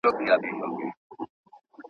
ایلجیک اسید د لمر زیان مخنیوی کوي.